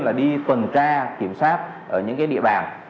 là đi tuần tra kiểm soát ở những địa bàn